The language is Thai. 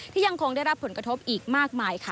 ยังคงได้รับผลกระทบอีกมากมายค่ะ